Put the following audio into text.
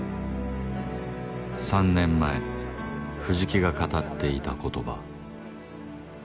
藤木が語っていた言葉。